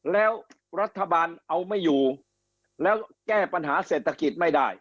แล้วรัฐบาลเอาไม่อยู่แล้วแก้ปัญหาเศรษฐกิจไม่ได้